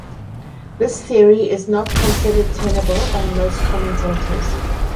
This theory is not considered tenable by most commentators.